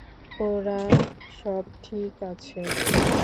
ওরা সব ঠিক আছে।